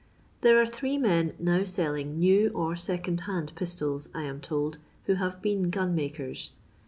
There are three men now selling new or second hand pistols, I am told, who have been gunmakers.